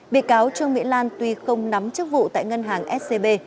bị cáo trương mỹ lan tuy không nắm chức vụ tại ngân hàng scb